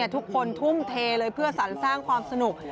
ทุกคนทุ่มเทเลยเพื่อสรรสร้างความสนุก